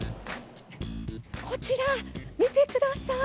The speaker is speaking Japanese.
こちら、見てください。